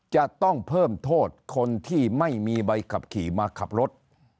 จะต้องเพิ่มโทษคนที่ไม่มีใบขับขี่มาขับรถ